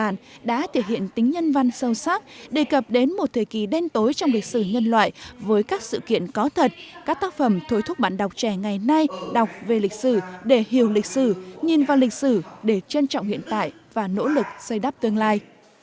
nhìn vào lịch sử để trân trọng hiện tại và nỗ lực xây đắp tương lai